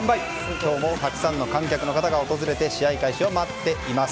今日もたくさんの観客の方が訪れて試合開始を待っています。